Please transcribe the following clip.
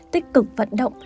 tích cực vận động